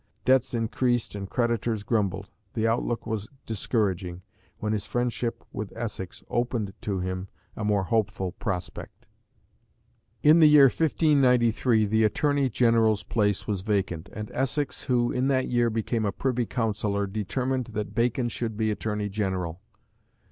Debts increased and creditors grumbled. The outlook was discouraging, when his friendship with Essex opened to him a more hopeful prospect. In the year 1593 the Attorney General's place was vacant, and Essex, who in that year became a Privy Councillor, determined that Bacon should be Attorney General.